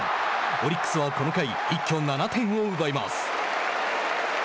オリックスはこの回一挙７点を奪います。